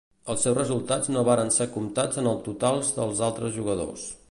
Els seus resultats no varen ser comptats en els totals dels altres jugadors.